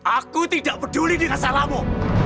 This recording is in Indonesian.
aku tidak peduli dengan salahmu